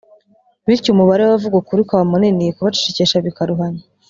bityo umubare w’abavuga ukuri ukaba munini kubacecekesha bikaruhanya